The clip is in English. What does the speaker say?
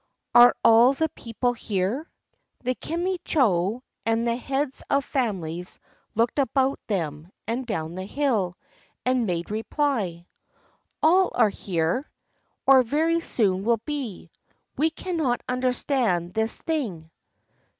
... Are all the people here?" The Kumi cho and the heads of families looked about them, and down the hill, and made reply: "All are here, 348 HOW A MAN BECAME A GOD or very soon will be. ... We cannot understand this thing."